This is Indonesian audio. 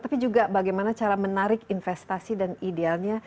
tapi juga bagaimana cara menarik investasi dan idealnya